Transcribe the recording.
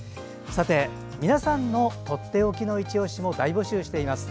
皆さんのとっておきのいちオシも募集しています。